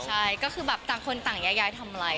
ใช่ก็คือต่างคนต่างหญ้าทำอะไร